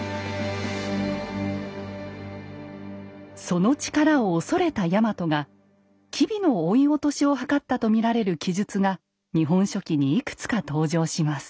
その力を恐れたヤマトが吉備の追い落としを図ったと見られる記述が「日本書紀」にいくつか登場します。